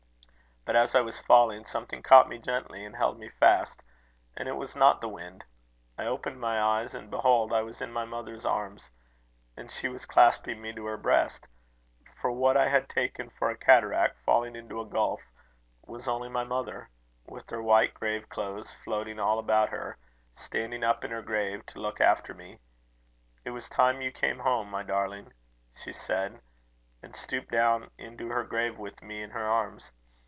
But as I was falling, something caught me gently, and held me fast, and it was not the wind. I opened my eyes, and behold! I was in my mother's arms, and she was clasping me to her breast; for what I had taken for a cataract falling into a gulf, was only my mother, with her white grave clothes floating all about her, standing up in her grave, to look after me. 'It was time you came home, my darling,' she said, and stooped down into her grave with me in her arms.